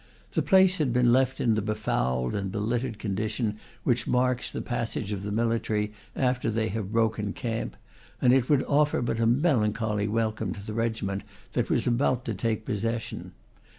The place had been left in the befouled and belittered condition which marks the passage of the military after they have broken carnp, and it would offer but a me lancholy welcome to the regiment that was about to take possession.